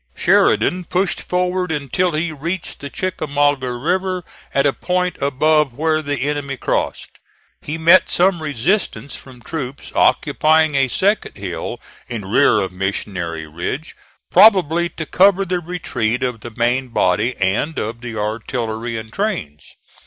Sheridan pushed forward until he reached the Chickamauga River at a point above where the enemy crossed. He met some resistance from troops occupying a second hill in rear of Missionary Ridge, probably to cover the retreat of the main body and of the artillery and trains.